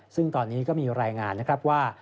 ซึ่งตอนนี้ก็มีรายงานนะครับว่า